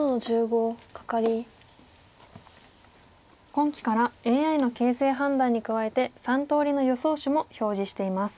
今期からＡＩの形勢判断に加えて３通りの予想手も表示しています。